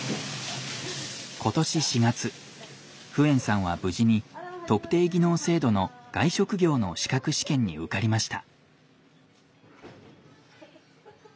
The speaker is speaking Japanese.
今年４月フエンさんは無事に特定技能制度の外食業の資格試験に受かりました。